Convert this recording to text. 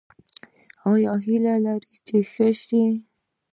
ایا هیله لرئ چې ښه شئ؟